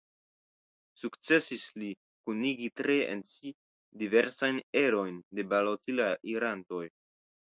Sukcesis li kunigi tre en si diversajn erojn de balotirantoj.